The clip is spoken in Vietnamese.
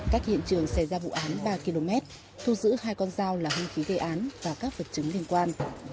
cách hiện trường xảy ra vụ án ba km thu giữ hai con dao là hung khí gây án và các vật chứng liên quan